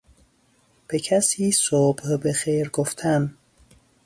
به کسی صبح بخیر گفتن